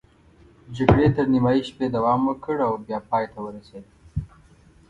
جګړې تر نیمايي شپې دوام وکړ او بیا پای ته ورسېده.